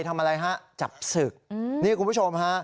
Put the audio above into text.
ทำอะไรฮะจับศึกนี่คุณผู้ชมฮะ